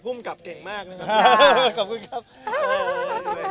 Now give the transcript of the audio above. ภูมิกลับเก่งมากนะครับ